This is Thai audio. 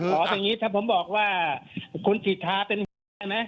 อย่างนี้ถ้าผมบอกว่าคุณสิทธาเป็นคณะนะ